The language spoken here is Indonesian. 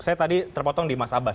saya tadi terpotong di mas abbas